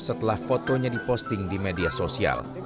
ketika mereka berada di rumah mereka berada di rumah